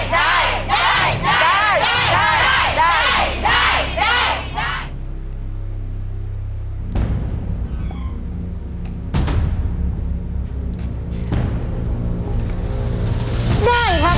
ได้ครับ